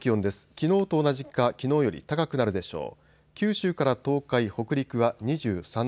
きのうと同じかきのうより高くなるでしょう。